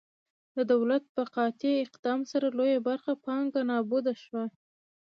د دولت په قاطع اقدام سره لویه برخه پانګه نابوده شوه.